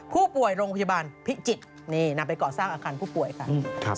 ผู้ป่วยโรงพยาบาลพิจิตรนี่นำไปก่อสร้างอาคารผู้ป่วยค่ะ